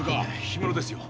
氷室ですよ